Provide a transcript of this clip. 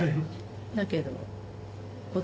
だけど。